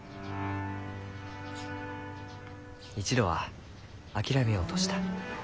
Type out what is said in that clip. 一度は諦めようとした。